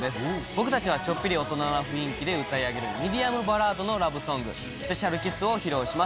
僕たちはちょっぴり大人な雰囲気で歌い上げるミディアムバラードのラブソング『ＳｐｅｃｉａｌＫｉｓｓ』を披露します。